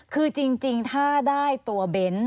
คือจริงถ้าได้ตัวเบ้น